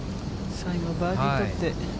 最後、バーディー取って。